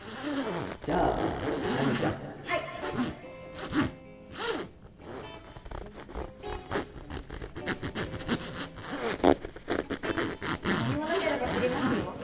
じゃあ奈未ちゃんはい何もなければ切りますよ